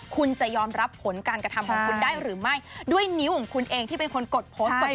คุณจะยอมรับผลการกระทำของคุณได้หรือไม่ด้วยนิ้วของคุณเองที่เป็นคนกดโพสต์ก่อน